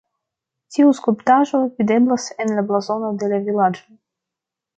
Tiu skulptaĵo videblas en la blazono de la vilaĝo.